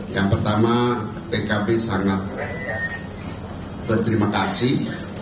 yang pertama pkb sangat berterima kasih